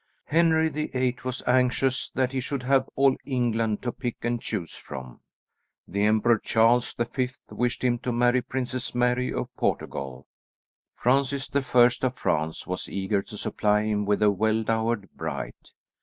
Henry the Eighth was anxious that he should have all England to pick and choose from. The Emperor Charles the Fifth wished him to marry Princess Mary of Portugal; Francis the First of France was eager to supply him with a well dowered bride.